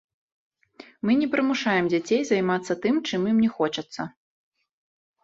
Мы не прымушаем дзяцей займацца тым, чым ім не хочацца.